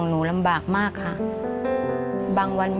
สุดท้าย